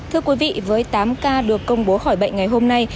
thưa quý vị với tám ca được công bố khỏi bệnh ngày hôm nay